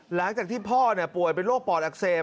หลังจากที่พ่อป่วยเป็นโรคปอดอักเสบ